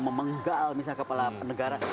memenggal misalnya kepala negara